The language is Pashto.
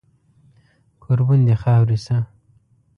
کوربون د خاورې شه